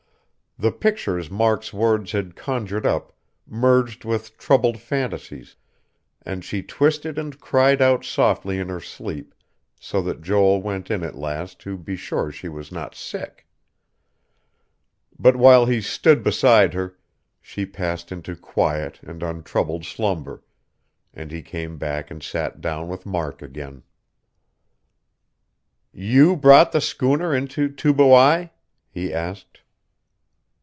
The pictures Mark's words had conjured up merged with troubled phantasies, and she twisted and cried out softly in her sleep so that Joel went in at last to be sure she was not sick. But while he stood beside her, she passed into quiet and untroubled slumber, and he came back and sat down with Mark again. "You brought the schooner into Tubuai?" he asked.